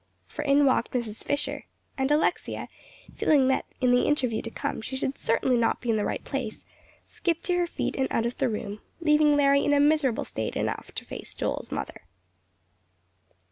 For in walked Mrs. Fisher, and Alexia, feeling that in the interview to come she should certainly not be in the right place, skipped to her feet and out of the room, leaving Larry in a miserable state enough to face Joel's mother.